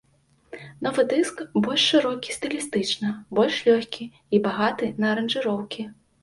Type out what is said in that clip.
Новы дыск больш шырокі стылістычна, больш лёгкі і багаты на аранжыроўкі.